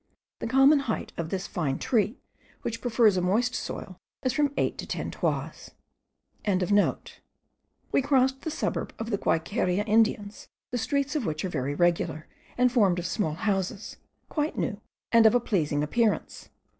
The common height of this fine tree, which prefers a moist soil, is from eight to ten toises.) We crossed the suburb of the Guayqueria Indians, the streets of which are very regular, and formed of small houses, quite new, and of a pleasing appearance.